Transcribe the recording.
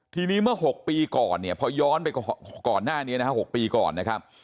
ทีนี้เมื่อ๖ปีก่อนเนี่ยพอย้อนไปก่อนหน้านี้นะฮะ๖ปีก่อนนะครับ